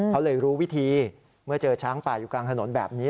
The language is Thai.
เขาเลยรู้วิธีเมื่อเจอช้างป่าอยู่กลางถนนแบบนี้